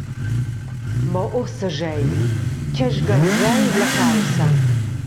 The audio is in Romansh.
Mo ussa schei, tgei sgarscheivla caussa.